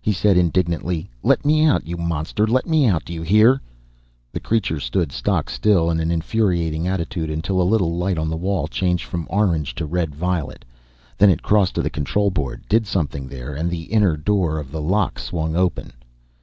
He said indignantly, "Let me out, you monster. Let me out, do you hear?" The creature stood stock still in an infuriating attitude until a little light on the wall changed from orange to red violet. Then it crossed to the control board, did something there, and the inner door of the lock swung open.